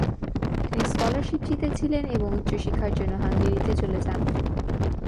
তিনি স্কলারশিপ জিতেছিলেন এবং উচ্চশিক্ষার জন্য হাঙ্গেরিতে চলে যান।